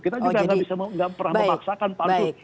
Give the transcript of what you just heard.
kita juga nggak pernah memaksakan pansus